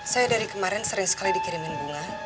saya dari kemarin sering sekali dikirimin bunga